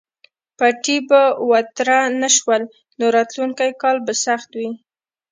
پټي به وتره نه شول نو راتلونکی کال به سخت وي.